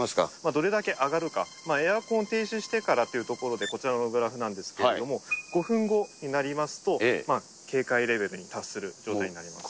どれだけ上がるか、エアコンを停止してからというところで、こちらのグラフなんですけれども、５分後になりますと、警戒レベルに達する状態になります。